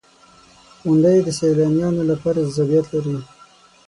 • غونډۍ د سیلانیانو لپاره جذابیت لري.